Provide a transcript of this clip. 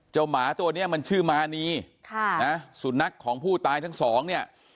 หมาตัวเนี้ยมันชื่อมานีค่ะนะสุนัขของผู้ตายทั้งสองเนี่ย